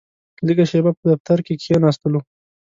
لږه شېبه په دفتر کې کښېناستلو.